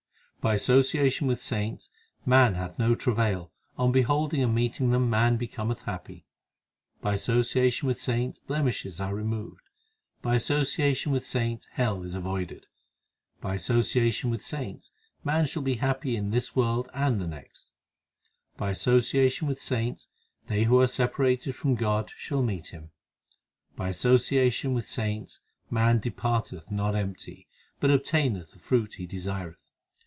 By association with saints man hath no travail On beholding and meeting them man becometh happy By association with saints blemishes are removed, By association with saints hell is avoided, By association with saints man shall be happy in this world and the next, By association with saints they who are separated from God shall meet Him, By association with saints man departeth not empty, But obtaineth the fruit he desireth.